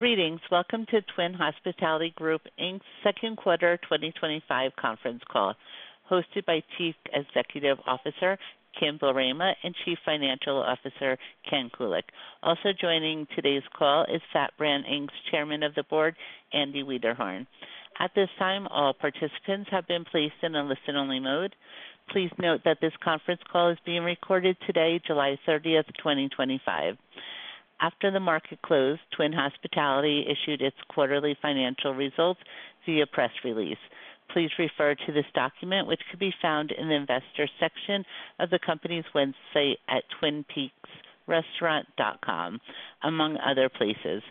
Greetings. Welcome to Twin Hospitality Group Inc.'s second quarter 2025 conference call hosted by Chief Executive Officer Kim Boerema and Chief Financial Officer Ken Kuick. Also joining today's call is FAT Brands Inc.'s Chairman of the Board, Andy Wiederhorn. At this time, all participants have been placed in a listen-only mode. Please note that this conference call is being recorded today, July 30th, 2025. After the market closed, Twin Hospitality issued its quarterly financial results via press release. Please refer to this document, which can be found in the Investor section of the company's website at twinpeaksrestaurant.com, among other places.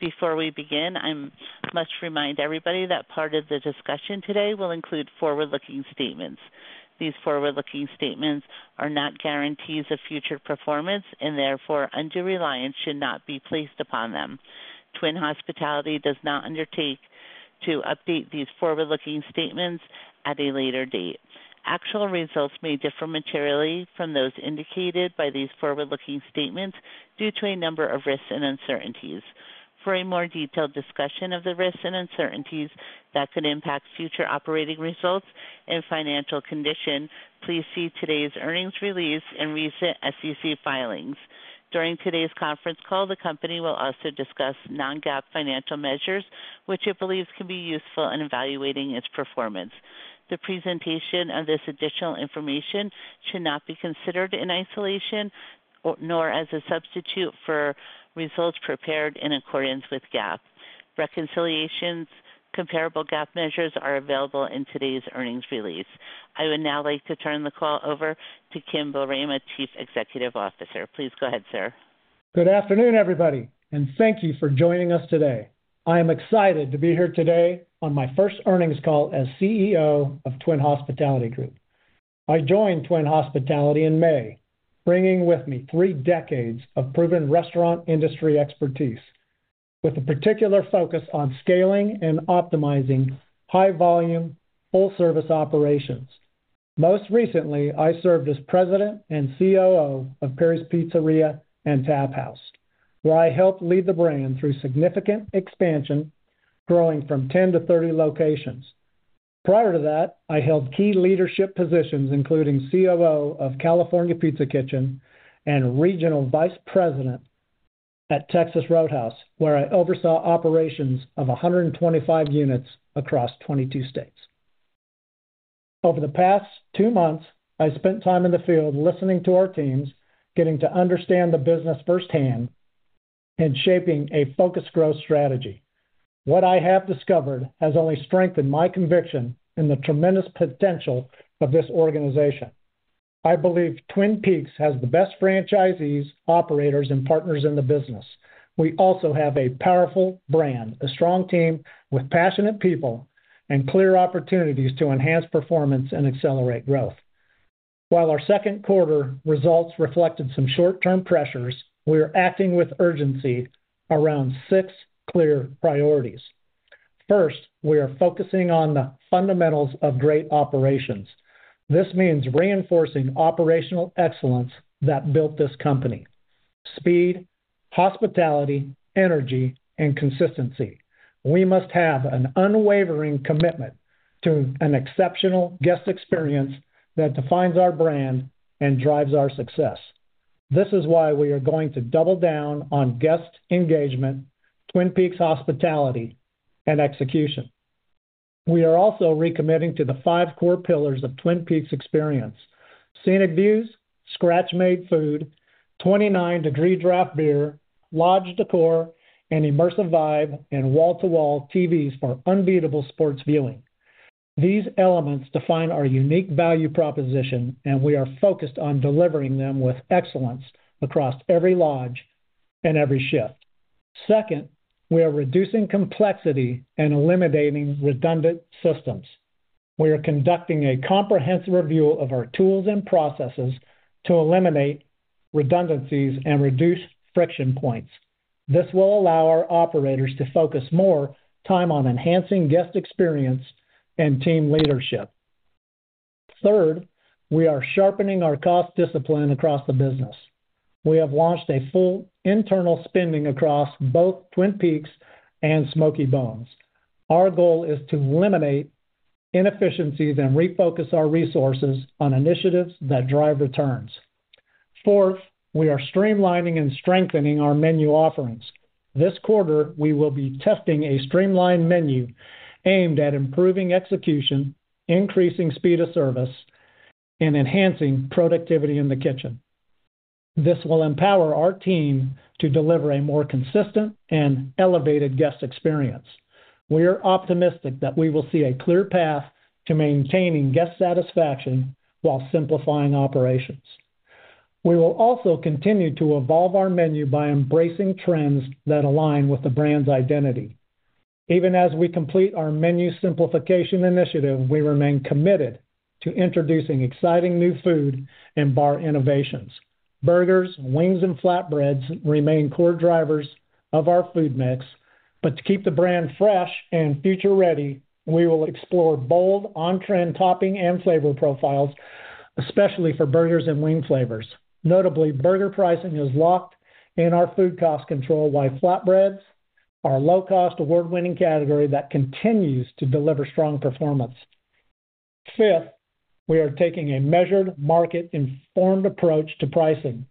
Before we begin, I must remind everybody that part of the discussion today will include forward-looking statements. These forward-looking statements are not guarantees of future performance, and therefore, undue reliance should not be placed upon them. Twin Hospitality does not undertake to update these forward-looking statements at a later date. Actual results may differ materially from those indicated by these forward-looking statements due to a number of risks and uncertainties. For a more detailed discussion of the risks and uncertainties that could impact future operating results and financial condition, please see today's earnings release and recent SEC filings. During today's conference call, the company will also discuss non-GAAP financial measures, which it believes can be useful in evaluating its performance. The presentation of this additional information should not be considered in isolation nor as a substitute for results prepared in accordance with GAAP. Reconciliations to comparable GAAP measures are available in today's earnings release. I would now like to turn the call over to Kim Boerema, Chief Executive Officer. Please go ahead, sir. Good afternoon, everybody, and thank you for joining us today. I am excited to be here today on my first earnings call as CEO of Twin Hospitality I joined Twin Hospitality. in May, bringing with me three decades of proven restaurant industry expertise, with a particular focus on scaling and optimizing high-volume, full-service operations. Most recently, I served as President and COO of Parry's Pizzeria and Taphouse, where I helped lead the brand through significant expansion, growing from 10 to 30 locations. Prior to that, I held key leadership positions, including COO of California Pizza Kitchen and Regional Vice President at Texas Roadhouse, where I oversaw operations of 125 units across 22 states. Over the past two months, I spent time in the field listening to our teams, getting to understand the business firsthand, and shaping a focused growth strategy. What I have discovered has only strengthened my conviction in the tremendous potential of this organization. I believe Twin Peaks has the best franchisees, operators, and partners in the business. We also have a powerful brand, a strong team with passionate people, and clear opportunities to enhance performance and accelerate growth. While our second quarter results reflected some short-term pressures, we are acting with urgency around six clear priorities. First, we are focusing on the fundamentals of great operations. This means reinforcing operational excellence that built this company: speed, hospitality, energy, and consistency. We must have an unwavering commitment to an exceptional guest experience that defines our brand and drives our success. This is why we are going to double down on guest engagement, Twin Peaks hospitality, and execution. We are also recommitting to the five core pillars of the Twin Peaks experience: scenic views, scratch-made food, 29-degree draft beer, lodge decor, an immersive vibe, and wall-to-wall TVs for unbeatable sports viewing. These elements define our unique value proposition, and we are focused on delivering them with excellence across every lodge and every shift. Second, we are reducing complexity and eliminating redundant systems. We are conducting a comprehensive review of our tools and processes to eliminate redundancies and reduce friction points. This will allow our operators to focus more time on enhancing guest experience and team leadership. Third, we are sharpening our cost discipline across the business. We have launched a full internal spending across both Twin Peaks and Smokey Bones. Our goal is to eliminate inefficiencies and refocus our resources on initiatives that drive returns. Fourth, we are streamlining and strengthening our menu offerings. This quarter, we will be testing a streamlined menu aimed at improving execution, increasing speed of service, and enhancing productivity in the kitchen. This will empower our team to deliver a more consistent and elevated guest experience. We are optimistic that we will see a clear path to maintaining guest satisfaction while simplifying operations. We will also continue to evolve our menu by embracing trends that align with the brand's identity. Even as we complete our menu simplification initiative, we remain committed to introducing exciting new food and bar innovations. Burgers, wings, and flatbreads remain core drivers of our food mix, but to keep the brand fresh and future-ready, we will explore bold on-trend topping and flavor profiles, especially for burgers and wing flavors. Notably, burger pricing is locked in our food cost control, while flatbreads are a low-cost award-winning category that continues to deliver strong performance. Fifth, we are taking a measured, market-informed approach to pricing.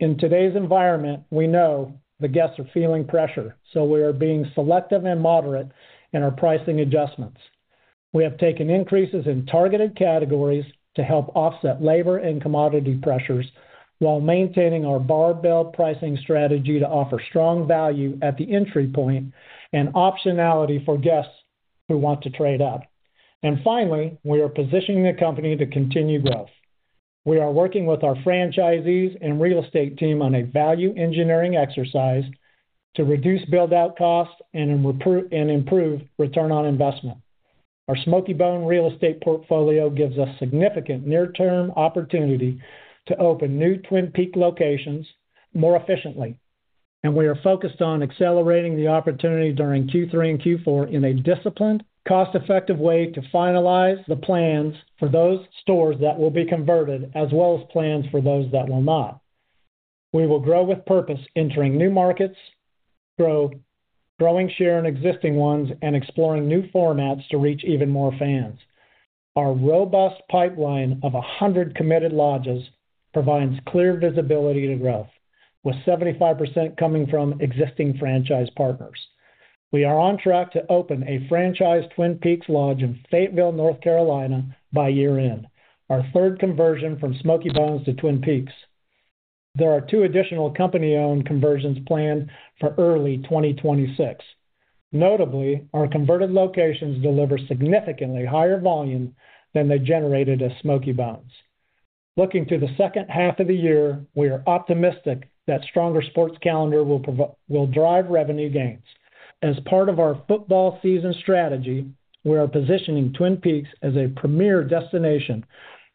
In today's environment, we know the guests are feeling pressure, so we are being selective and moderate in our pricing adjustments. We have taken increases in targeted categories to help offset labor and commodity pressures while maintaining our bar-billed pricing strategy to offer strong value at the entry point and optionality for guests who want to trade up. Finally, we are positioning the company to continue growth. We are working with our franchise partners and real estate team on a value engineering exercise to reduce build-out costs and improve return on investment. Our Smokey Bones real estate portfolio gives us significant near-term opportunity to open new Twin Peaks Lodge locations more efficiently, and we are focused on accelerating the opportunity during Q3 and Q4 in a disciplined, cost-effective way to finalize the plans for those stores that will be converted, as well as plans for those that will not. We will grow with purpose, entering new markets, growing share in existing ones, and exploring new formats to reach even more fans. Our robust pipeline of 100 committed lodges provides clear visibility to growth, with 75% coming from existing franchise partners. We are on track to open a franchised Twin Peaks Lodge in Fayetteville, North Carolina, by year-end, our third conversion from Smokey Bones to Twin Peaks. There are two additional company-owned conversions planned for early 2026. Notably, our converted locations deliver significantly higher volume than they generated at Smokey Bones. Looking to the second half of the year, we are optimistic that a stronger sports calendar will drive revenue gains. As part of our football season strategy, we are positioning Twin Peaks as a premier destination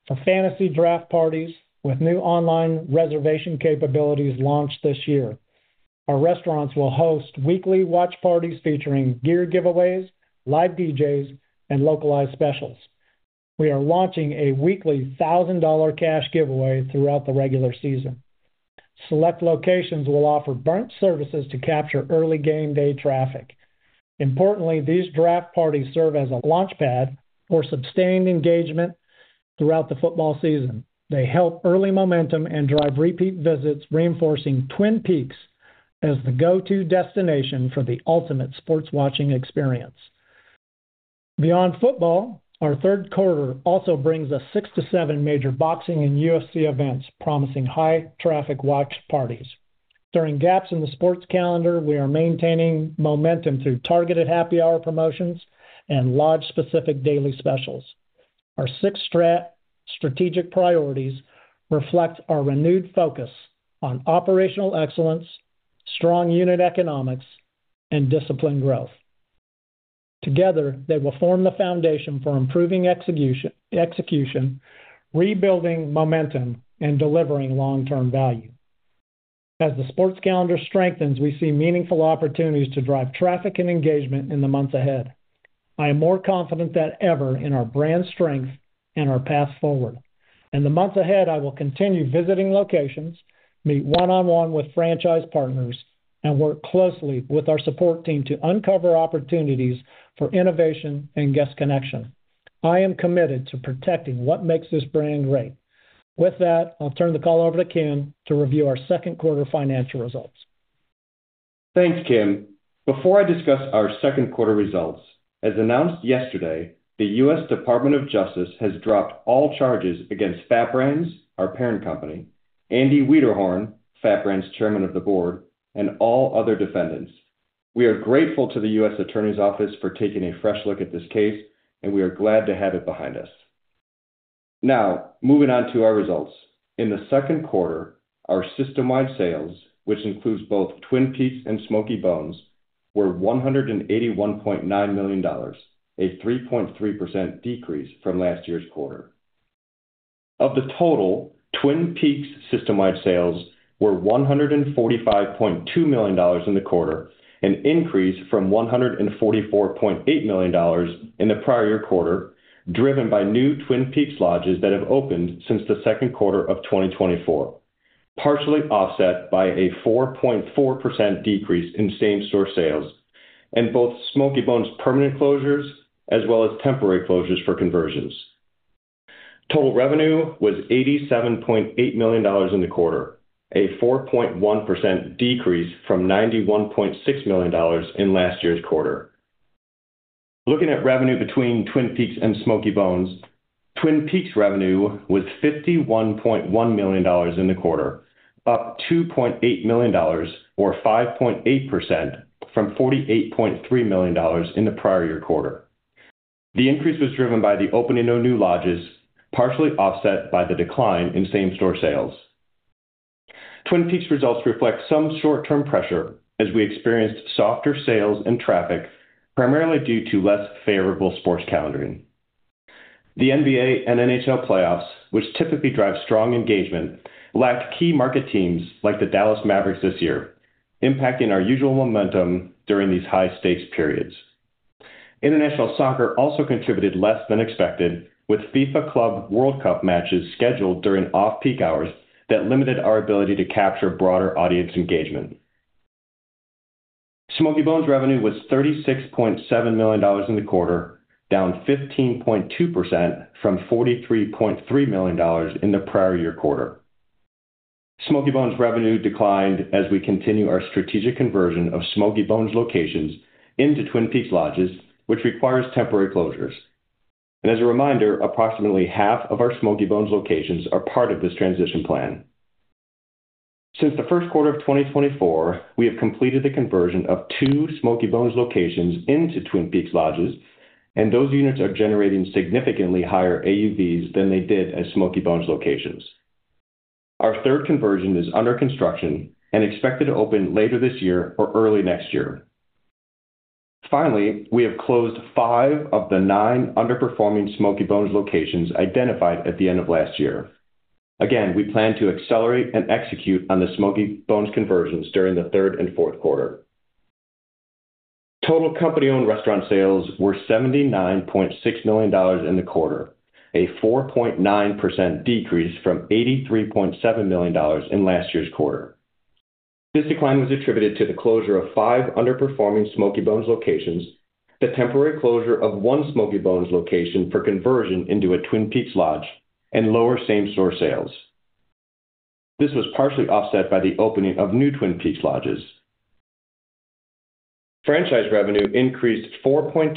for fantasy draft parties, with new online reservation capabilities launched this year. Our restaurants will host weekly watch parties featuring gear giveaways, live DJs, and localized specials. We are launching a weekly $1,000 cash giveaway throughout the regular season. Select locations will offer brunch services to capture early game day traffic. Importantly, these draft parties serve as a launchpad for sustained engagement throughout the football season. They help early momentum and drive repeat visits, reinforcing Twin Peaks as the go-to destination for the ultimate sports watching experience. Beyond football, our third quarter also brings us six to seven major boxing and UFC events, promising high-traffic watch parties. During gaps in the sports calendar, we are maintaining momentum through targeted happy hour promotions and lodge-specific daily specials. Our six strategic priorities reflect our renewed focus on operational excellence, strong unit economics, and disciplined growth. Together, they will form the foundation for improving execution, rebuilding momentum, and delivering long-term value. As the sports calendar strengthens, we see meaningful opportunities to drive traffic and engagement in the months ahead. I am more confident than ever in our brand strength and our path forward. In the months ahead, I will continue visiting locations, meet one-on-one with franchise partners, and work closely with our support team to uncover opportunities for innovation and guest connection. I am committed to protecting what makes this brand great. With that, I'll turn the call over to Ken to review our second quarter financial results. Thanks, Kim. Before I discuss our second quarter results, as announced yesterday, the US Department of Justice has dropped all charges against FAT Brands ,our parent company, Andy Wiederhorn, FAT Brands Chairman of the Board, and all other defendants. We are grateful to the US Attorney's Office for taking a fresh look at this case, and we are glad to have it behind us. Now, moving on to our results. In the second quarter, our system-wide sales, which includes both Twin Peaks and Smokey Bones, were $181.9 million, a 3.3% decrease from last year's quarter. Of the total, Twin Peaks' system-wide sales were $145.2 million in the quarter, an increase from $144.8 million in the prior year quarter, driven by new Twin Peaks Lodges that have opened since the second quarter of 2024, partially offset by a 4.4% decrease in same-store sales and both Smokey Bones' permanent closures, as well as temporary closures for conversions. Total revenue was $87.8 million in the quarter, a 4.1% decrease from $91.6 million in last year's quarter. Looking at revenue between Twin Peaks and Smokey Bones, Twin Peaks' revenue was $51.1 million in the quarter, up $2.8 million, or 5.8% from $48.3 million in the prior year quarter. The increase was driven by the opening of new lodges, partially offset by the decline in same-store sales. Twin Peaks' results reflect some short-term pressure, as we experienced softer sales and traffic, primarily due to less favorable sports calendaring. The NBA and NHL playoffs, which typically drive strong engagement, lacked key market teams like the Dallas Mavericks this year, impacting our usual momentum during these high stakes periods. International soccer also contributed less than expected, with FIFA Club World Cup matches scheduled during off-peak hours that limited our ability to capture broader audience engagement. Smokey Bones' revenue was $36.7 million in the quarter, down 15.2% from $43.3 million in the prior year quarter. Smokey Bones' revenue declined as we continue our strategic conversion of Smokey Bones locations into Twin Peaks Lodges, which requires temporary closures. Approximately half of our Smokey Bones locations are part of this transition plan. Since the first quarter of 2024, we have completed the conversion of two Smokey Bones locations into Twin Peaks Lodges, and those units are generating significantly higher average unit volumes than they did as Smokey Bones locations. Our third conversion is under construction and expected to open later this year or early next year. Finally, we have closed five of the nine underperforming Smokey Bones locations identified at the end of last year. We plan to accelerate and execute on the Smokey Bones conversions during the third and fourth quarter. Total company-owned restaurant sales were $79.6 million in the quarter, a 4.9% decrease from $83.7 million in last year's quarter. This decline was attributed to the closure of five underperforming Smokey Bones locations, the temporary closure of one Smokey Bones location for conversion into a Twin Peaks Lodge, and lower same-store sales. This was partially offset by the opening of new Twin Peaks Lodges. Franchise revenue increased 4.2%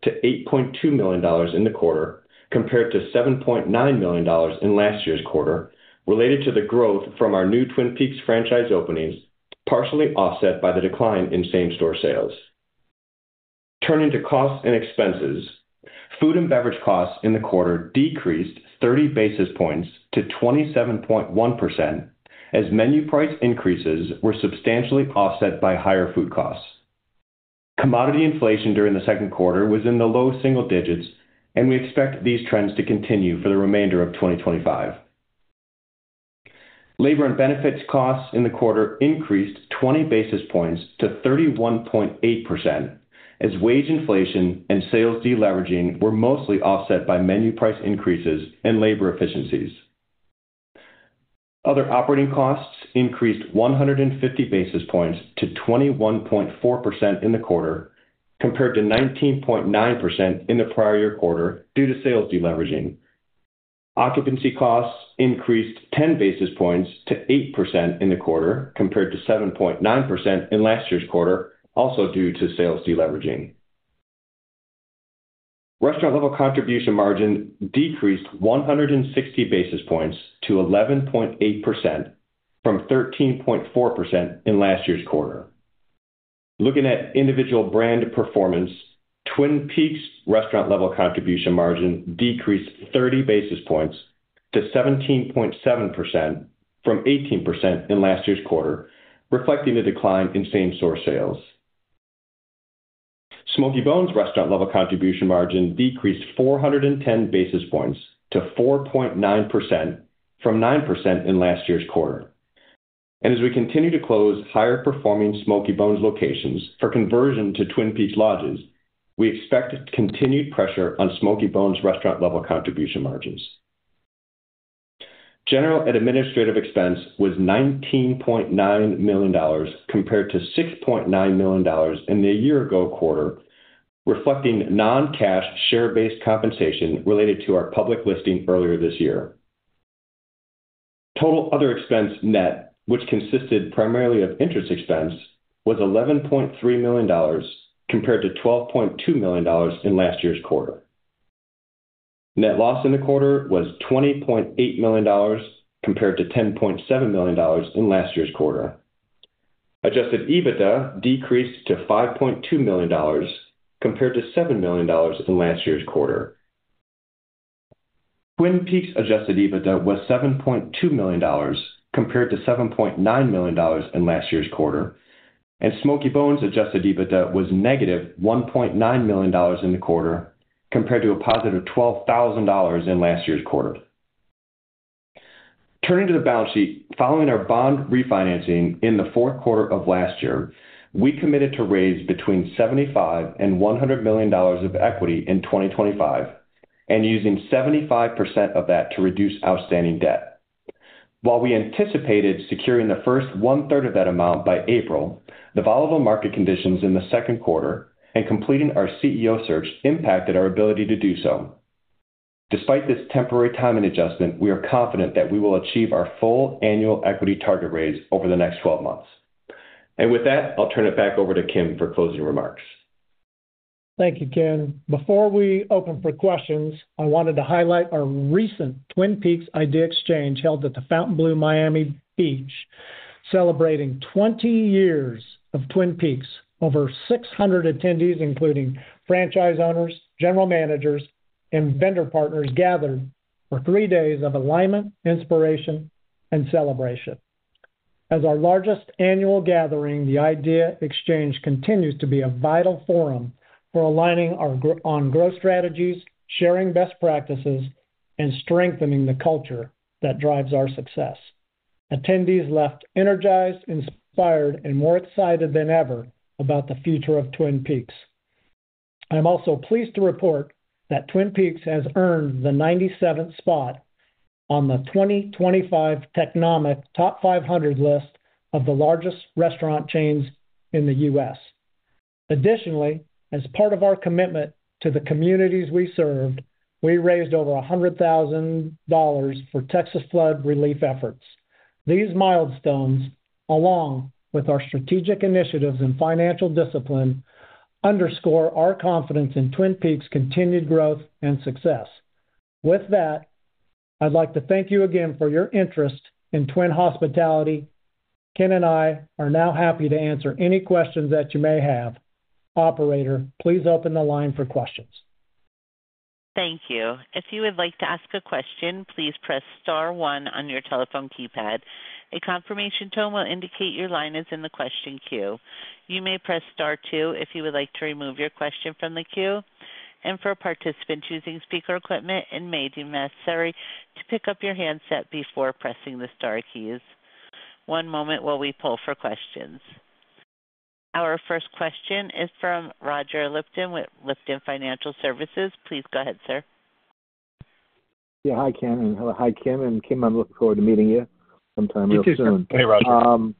to $8.2 million in the quarter, compared to $7.9 million in last year's quarter, related to the growth from our new Twin Peaks franchise openings, partially offset by the decline in same-store sales. Turning to cost and expenses, food and beverage costs in the quarter decreased 30 basis points to 27.1%, as menu price increases were substantially offset by higher food costs. Commodity inflation during the second quarter was in the low single digits, and we expect these trends to continue for the remainder of 2025. Labor and benefits costs in the quarter increased 20 basis points to 31.8%, as wage inflation and sales deleveraging were mostly offset by menu price increases and labor efficiencies. Other operating costs increased 150 basis points to 21.4% in the quarter, compared to 19.9% in the prior year quarter due to sales deleveraging. Occupancy costs increased 10 basis points to 8% in the quarter, compared to 7.9% in last year's quarter, also due to sales deleveraging. Restaurant-level contribution margin decreased 160 basis points to 11.8% from 13.4% in last year's quarter. Looking at individual brand performance, Twin Peaks' restaurant-level contribution margin decreased 30 basis points to 17.7% from 18% in last year's quarter, reflecting a decline in same-store sales. Smokey Bones' restaurant-level contribution margin decreased 410 basis points to 4.9% from 9% in last year's quarter. As we continue to close higher performing Smokey Bones locations for conversion to Twin Peaks Lodges, we expect continued pressure on Smokey Bones' restaurant-level contribution margins. General and administrative expense was $19.9 million compared to $6.9 million in the year-ago quarter, reflecting non-cash share-based compensation related to our public listing earlier this year. Total other expense, net, which consisted primarily of interest expense, was $11.3 million compared to $12.2 million in last year's quarter. Net loss in the quarter was $20.8 million compared to $10.7 million in last year's quarter. Adjusted EBITDA decreased to $5.2 million compared to $7 million in last year's quarter. Twin Peaks' adjusted EBITDA was $7.2 million compared to $7.9 million in last year's quarter, and Smokey Bones' adjusted EBITDA was -$1.9 million in the quarter, compared to a +$12,000 in last year's quarter. Turning to the balance sheet, following our bond refinancing in the fourth quarter of last year, we committed to raise between $75 million and $100 million of equity in 2025, and using 75% of that to reduce outstanding debt. While we anticipated securing the first one-third of that amount by April, the volatile market conditions in the second quarter and completing our CEO search impacted our ability to do so. Despite this temporary timing adjustment, we are confident that we will achieve our full annual equity target raise over the next 12 months. I'll turn it back over to Kim for closing remarks. Thank you, Ken. Before we open for questions, I wanted to highlight our recent [Twin Peaks Idea Exchange held at the Fontainebleau Miami Beach, celebrating 20 years of Twin Peaks]. Over 600 attendees, including franchise owners, general managers, and vendor partners, gathered for three days of alignment, inspiration, and celebration. As our largest annual gathering, the [Idea Exchange] continues to be a vital forum for aligning on growth strategies, sharing best practices, and strengthening the culture that drives our success. Attendees left energized, inspired, and more excited than ever about the future of Twin Peaks. I'm also pleased to report that Twin Peaks has earned the 97th spot on the 2025 Technomic Top 500 list of the largest restaurant chains in the U.S. Additionally, as part of our commitment to the communities we serve, we raised over $100,000 for Texas flood relief efforts. These milestones, along with our strategic initiatives and financial discipline, underscore our confidence in Twin Peaks' continued growth and success. With that, I'd like to thank you again for your interest in Twin Hospitality. Ken and I are now happy to answer any questions that you may have. Operator, please open the line for questions. Thank you. If you would like to ask a question, please press star one on your telephone keypad. A confirmation tone will indicate your line is in the question queue. You may press star two if you would like to remove your question from the queue. For participants using speaker equipment, it may be necessary to pick up your handset before pressing the star keys. One moment while we pull for questions. Our first question is from Roger Lipton with Lipton Financial Services. Please go ahead, sir. Hi, Ken. Hello, Kim. Kim, I'm looking forward to meeting you sometime real soon. Hey, Roger.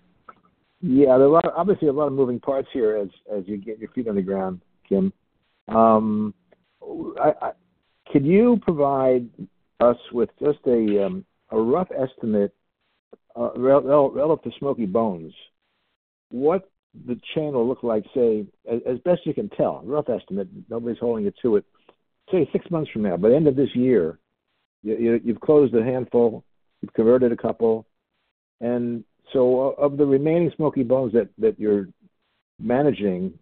Yeah, there are a lot of, obviously, a lot of moving parts here as you get your feet on the ground, Kim. Could you provide us with just a rough estimate relative to Smokey Bones, what the channel looked like, say, as best you can tell, a rough estimate, nobody's holding you to it, say, six months from now, by the end of this year? You've closed a handful, you've converted a couple. Of the remaining Smokey Bones that you're managing,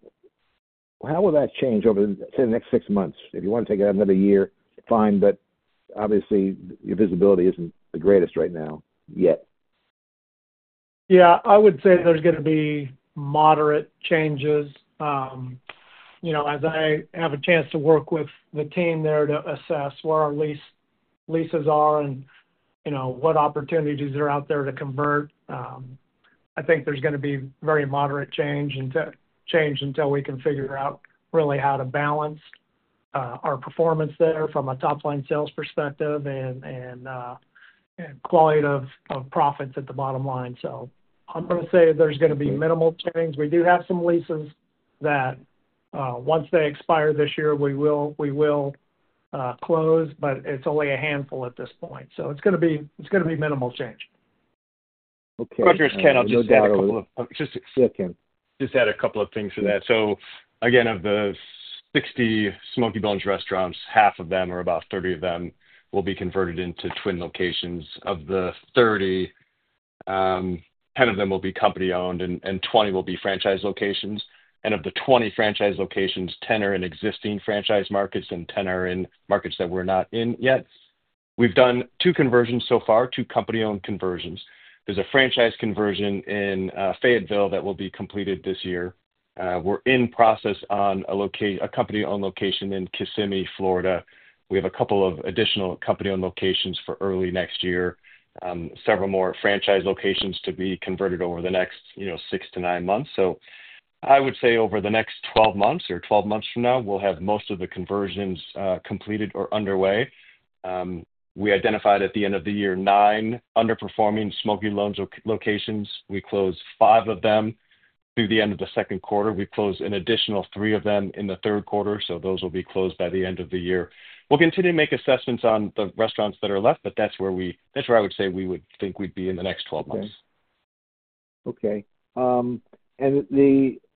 how will that change over, say, the next six months? If you want to take it out another year, fine, but obviously, your visibility isn't the greatest right now yet. Yeah, I would say there's going to be moderate changes. As I have a chance to work with the team there to assess where our leases are and what opportunities are out there to convert, I think there's going to be very moderate change until we can figure out really how to balance our performance there from a top-line sales perspective and quality of profits at the bottom line. I'm going to say there's going to be minimal change. We do have some leases that, once they expire this year, we will close, but it's only a handful at this point. It's going to be minimal change. I'm just going to add a couple of things for that. Again, of the 60 Smokey Bones restaurants, half of them, or about 30 of them, will be converted into Twin Peaks locations. Of the 30, 10 of them will be company-owned and 20 will be franchise locations. Of the 20 franchise locations, 10 are in existing franchise markets and 10 are in markets that we're not in yet. We've done two conversions so far, two company-owned conversions. There's a franchise conversion in Fayetteville, that will be completed this year. We're in process on a company-owned location in Kissimmee, Florida. We have a couple of additional company-owned locations for early next year, several more franchise locations to be converted over the next six months-nine months. I would say over the next 12 months, or 12 months from now, we'll have most of the conversions completed or underway. We identified at the end of the year nine underperforming Smokey Bones locations. We closed five of them through the end of the second quarter. We closed an additional three of them in the third quarter. Those will be closed by the end of the year. We'll continue to make assessments on the restaurants that are left, but that's where I would say we would think we'd be in the next 12 months. The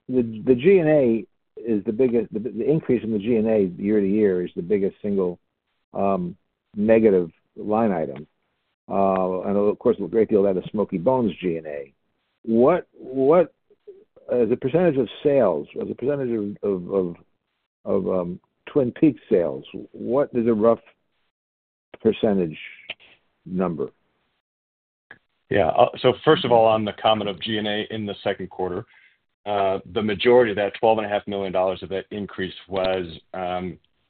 G&A is the biggest, the increase in the G&A year-to-year is the biggest single negative line item. Of course, a great deal of that is Smokey Bones' G&A. What, as a percentage of sales, as a percentage of Twin Peaks sales, what is a rough percentage number? Yeah. First of all, on the comment of G&A in the second quarter, the majority of that $12.5 million of that increase was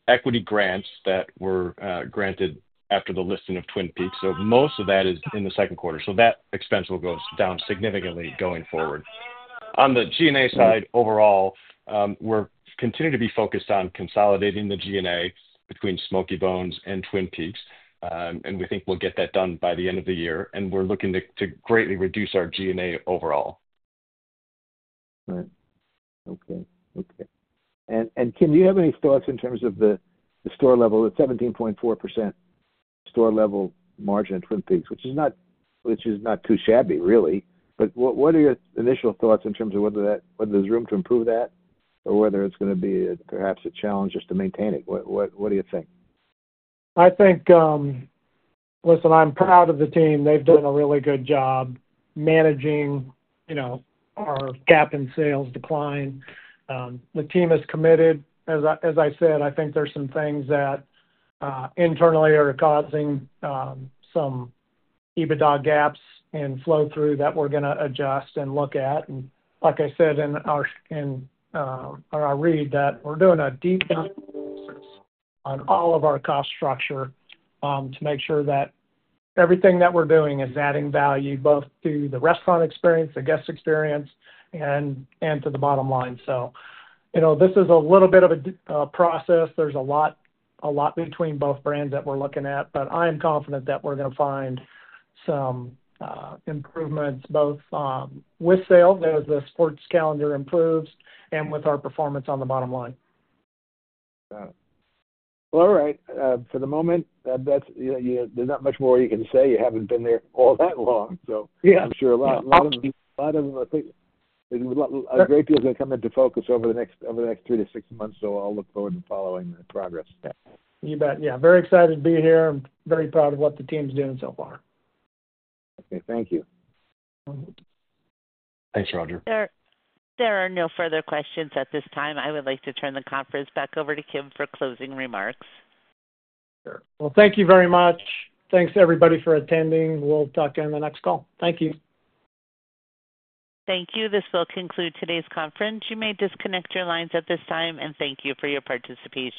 equity grants that were granted after the listing of Twin Peaks. Most of that is in the second quarter. That expense will go down significantly going forward. On the G&A side overall, we're continuing to be focused on consolidating the G&A between Smokey Bones and Twin Peaks. We think we'll get that done by the end of the year. We're looking to greatly reduce our G&A overall. Right. Okay. Kim, do you have any thoughts in terms of the store level, the 17.4% store level margin at Twin Peaks, which is not too shabby, really, but what are your initial thoughts in terms of whether there's room to improve that or whether it's going to be perhaps a challenge just to maintain it? What do you think? I think, listen, I'm proud of the team. They've done a really good job managing our gap in sales decline. The team is committed. As I said, I think there's some things that internally are causing some EBITDA gaps in flow-through that we're going to adjust and look at. Like I said in our read, we're doing a deep dive on all of our cost structure to make sure that everything that we're doing is adding value both to the restaurant experience, the guest experience, and to the bottom line. This is a little bit of a process. There's a lot, a lot between both brands that we're looking at, but I am confident that we're going to find some improvements both with sales as the sports calendar improves and with our performance on the bottom line. All right. For the moment, there's not much more you can say. You haven't been there all that long. I'm sure a lot of things, a great deal is going to come into focus over the next three months-six months. I'll look forward to following the progress. Yeah, you bet. Very excited to be here. I'm very proud of what the team's doing so far. Okay. Thank you. Thanks, Roger. There are no further questions at this time. I would like to turn the conference back over to Kim for closing remarks. Thank you very much. Thanks, everybody, for attending. We'll talk in the next call. Thank you. Thank you. This will conclude today's conference. You may disconnect your lines at this time, and thank you for your participation.